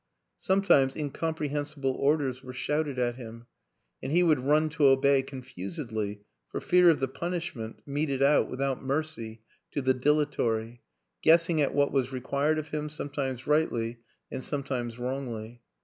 Sometimes incomprehensible orders were shouted at him and he would run to obey confusedly, for fear of the punishment meted out without mercy to the dilatory guessing at what was required of him, sometimes rightly and some times wrongly.